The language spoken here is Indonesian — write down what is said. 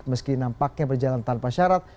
meski nampaknya berjalan tanpa syarat